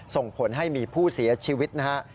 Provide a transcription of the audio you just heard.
ส่งผลให้มีผู้เสียชีวิตนะฮะ